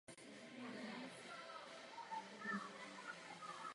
V konečném výběru však zůstalo pouze pět níže uvedených stadionů.